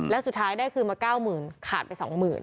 แล้วสุดท้ายได้คืนมา๙๐๐ขาดไป๒๐๐๐